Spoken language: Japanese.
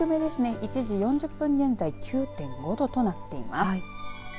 １時４０分現在は９．５度となっています。